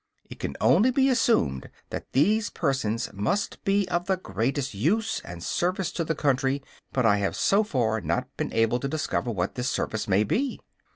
It can only be assumed that these persons must be of the greatest use and service to the country, but I have so far not been able to discover what this service may be.